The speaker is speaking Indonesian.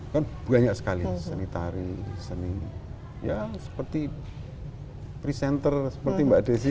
kan banyak sekali seni tari seni ya seperti presenter seperti mbak desi